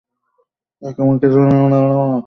ও এমন কিসিঞ্জার কেন?